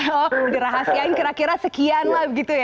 oh dirahasiain kira kira sekian lah begitu ya